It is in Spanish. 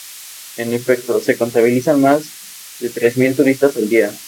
En efecto, se contabilizan más de tres mil turistas al día.